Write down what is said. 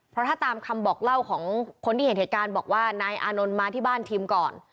เพราะถ้าตามคำบอกเล่าของคนที่เห็นเหตุการณ์บอกว่านายอานนท์มาที่บ้านทิมก่อน